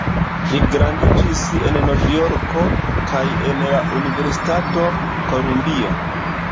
Li gradiĝis en Novjorko kaj en la Universitato Kolumbio.